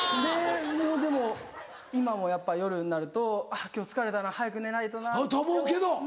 もうでも今もやっぱ夜になると今日疲れたな早く寝ないとな。と思うけど。